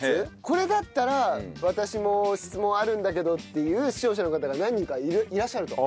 これだったら私も質問あるんだけどっていう視聴者の方が何人かいらっしゃると。